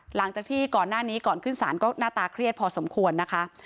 หลังจากที่ก่อนหน้านี้ก่อนขึ้นศาลก็หน้าตาเครียดพอสมควรนะคะ